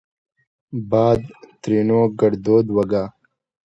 باد؛ ترينو ګړدود وګا